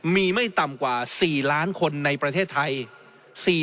มีไม่ต่ำกว่า๔ล้านคนในประเทศไทย